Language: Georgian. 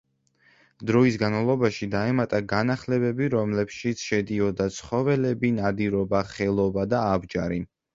დროის განმავლობაში დაემატა განახლებები რომლებშიც შედიოდა ცხოველები, ნადირობა, ხელობა და აბჯარი.